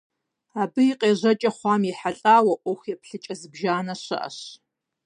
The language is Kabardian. Абы и къежьэкӀэ хъуам ехьэлӀауэ Ӏуэху еплъыкӀэ зыбжанэ щыӀэщ.